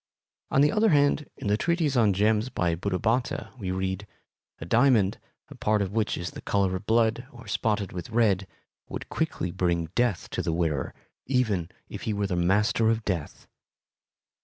On the other hand, in the treatise on gems by Buddhabhatta we read: A diamond, a part of which is the color of blood or spotted with red, would quickly bring death to the wearer, even if he were the Master of Death.